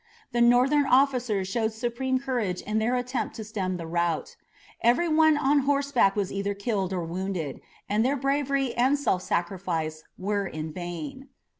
The Northern officers showed supreme courage in their attempt to stem the rout. Everyone on horseback was either killed or wounded, and their bravery and self sacrifice were in vain.